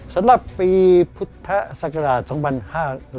สำหรับปีพุทธศักราช๒๕๖๒